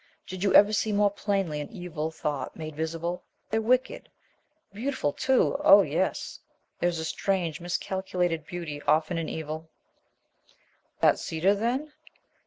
Did you ever see more plainly an evil thought made visible? They're wicked. Beautiful too, oh yes! There's a strange, miscalculated beauty often in evil " "That cedar, then